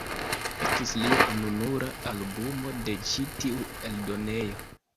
Estis lia ununura albumo de ĉi tiu eldonejo.